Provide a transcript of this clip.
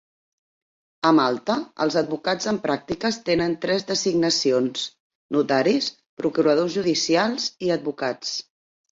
A Malta, els advocats en pràctiques tenen tres designacions: notaris, procuradors judicials i advocats.